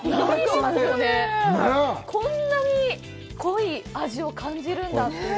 こんなに濃い味を感じるんだという。